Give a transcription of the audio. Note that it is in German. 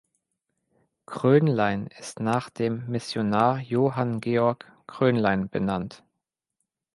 Krönlein ist nach dem Missionar Johann Georg Krönlein benannt.